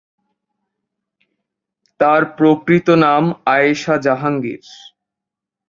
তার প্রকৃত নাম আয়েশা জাহাঙ্গীর।